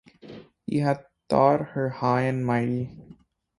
He had thought her high and mighty.